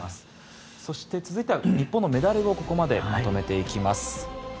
続いては日本のメダルをここまでまとめていきます。